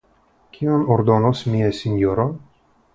Kion ordonos mia sinjoro?